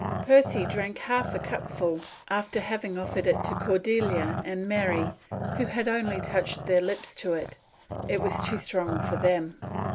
Percy drank half a cup full, after having offered it to Cordelia and Mary, who had only touched their lips to it. It was too strong for them.